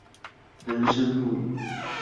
人生路引